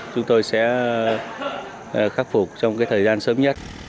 chúng tôi sẽ khắc phục trong thời gian sớm nhất